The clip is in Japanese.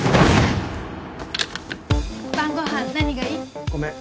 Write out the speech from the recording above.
晩ご飯何がいい？ごめん。